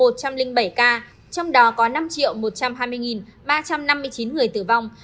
trong đó có năm một trăm hai mươi ba trăm năm mươi chín người tử vong